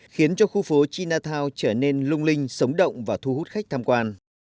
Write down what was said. khiến cho khu phố chinatown trở nên lung linh sống động và thu hút khách tham quan